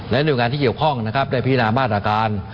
และในวิวงานที่เกี่ยวข้องได้พินามมาตรการ